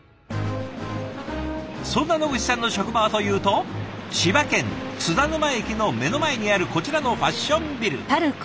そんな野口さんの職場はというと千葉県津田沼駅の目の前にあるこちらのファッションビル。